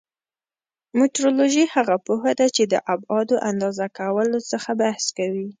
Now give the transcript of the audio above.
مټرولوژي هغه پوهه ده چې د ابعادو اندازه کولو څخه بحث کوي.